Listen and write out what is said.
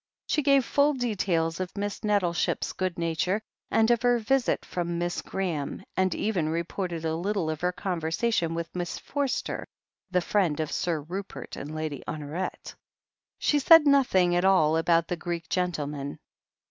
She gave full details of Miss Nettleship's good nature, and of her visit from Miss Graham, and even reported a little of her conversation with Miss Forster, the friend of Sir Rupert and Lady Honoret. She said nothing at all about the Greek gentleman.